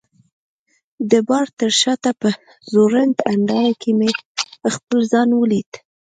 د بار تر شاته په ځوړند هنداره کي مې خپل ځان ولید.